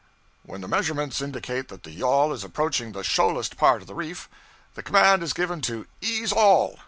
When the measurements indicate that the yawl is approaching the shoalest part of the reef, the command is given to 'ease all!'